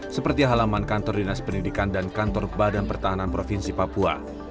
seperti halaman kantor dinas pendidikan dan kantor badan pertahanan provinsi papua